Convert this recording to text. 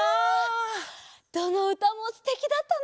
どのうたもすてきだったね！